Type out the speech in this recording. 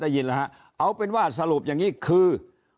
ได้ยินนะครับเอาเป็นว่าสมบัติว่าอย่างนี้คือ